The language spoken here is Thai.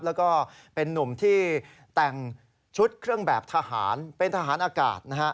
แล้วก็เป็นนุ่มที่แต่งชุดเครื่องแบบทหารเป็นทหารอากาศนะฮะ